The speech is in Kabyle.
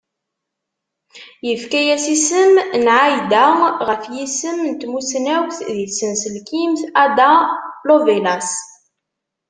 Yefka-as isem n Ai-Da, ɣef yisem n tmussnawt di tsenselkimt Ada Lovelace.